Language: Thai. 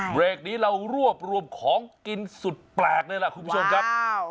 เบรกนี้เรารวบรวมของกินสุดแปลกเลยล่ะคุณผู้ชมครับ